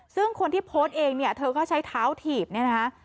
ซึ่งคนที่โพสต์เองเนี่ยเธอก็ใช้เท้าถีบเนี่ยนะคะ